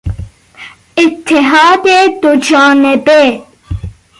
اتحاد دو جانبه